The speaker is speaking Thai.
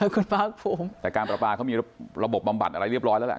คุณภาคภูมิแต่การประปาเขามีระบบบำบัดอะไรเรียบร้อยแล้วแหละ